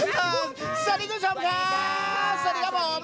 สวัสดีคุณผู้ชมครับสวัสดีครับผม